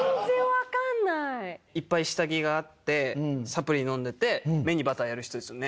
いっぱい下着があってサプリ飲んでて目にバターやる人ですよね？